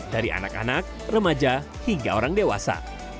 dari anak anak remaja hingga orang dewasa